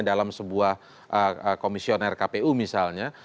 dalam sebuah komisioner kpu misalnya